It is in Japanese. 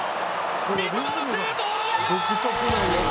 三笘のシュート！